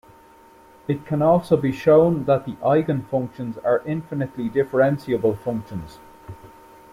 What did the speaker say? It can also be shown that the eigenfunctions are infinitely differentiable functions.